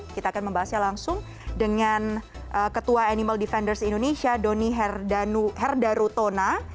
kita akan membahasnya langsung dengan ketua animal defenders indonesia doni herda rutona